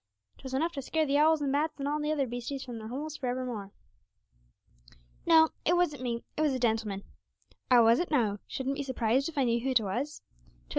'Twas enough to scare the owls and bats and all the other beasties from their holes for evermore.' 'No, it wasn't me; it was a gentleman.' 'Ah, was it now? Shouldn't be surprised if I knew who it was!